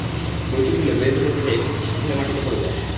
বইটি খুললে বইয়ের ভেতর থেকে একটি পৃষ্ঠা খুলে মাটিতে পড়ে যায়।